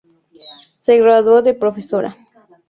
Se graduó de profesora.